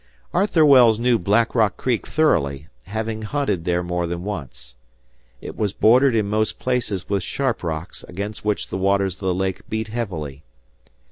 Arthur Wells knew Black Rock Creek thoroughly, having hunted there more than once. It was bordered in most places with sharp rocks against which the waters of the lake beat heavily.